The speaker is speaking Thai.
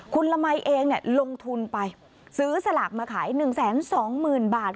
คุณละมัยเองลงทุนไปซื้อสลากมาขาย๑๒๐๐๐บาท